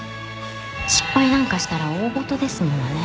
失敗なんかしたら大ごとですものね。